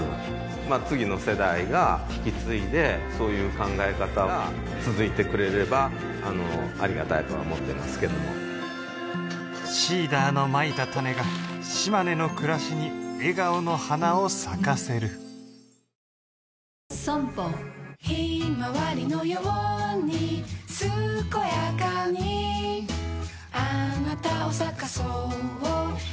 まあ次の世代が引き継いでそういう考え方が続いてくれればありがたいとは思ってますけどもＳｅｅｄｅｒのまいたタネが島根の暮らしに笑顔の花を咲かせるひまわりのようにすこやかにあなたを咲かそうひまわり